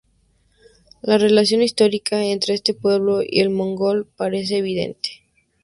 La relación histórica entre este pueblo y el mongol parece evidente.